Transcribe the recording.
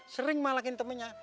sering malakin temenya